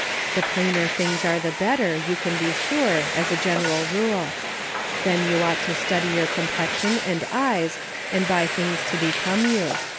The plainer things are the better, you can be sure, as a general rule. Then you ought to study your complexion and eyes and buy things to become you.